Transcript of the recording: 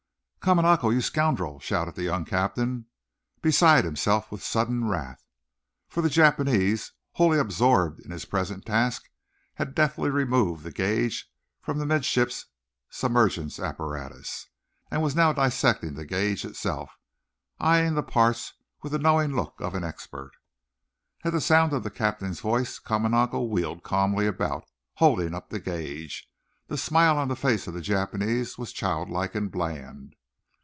"Kamanako you scoundrel!" shouted the young captain, beside himself with sudden wrath. For the Japanese, wholly absorbed in his present task, had deftly removed the gauge from the midships submergence apparatus, and was now dissecting the gauge itself, eyeing the parts with the knowing look of an expert. At sound of the captain's voice Kamanako wheeled calmly about, holding up the gauge. The smile on the face of the Japanese was childlike and bland.